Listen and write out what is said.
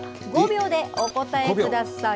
５秒でお答えください。